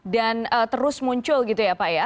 dan terus muncul gitu ya pak ya